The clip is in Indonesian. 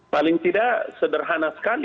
paling tidak sederhana sekali